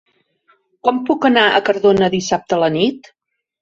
Com puc anar a Cardona dissabte a la nit?